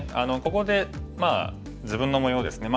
ここで自分の模様をですね。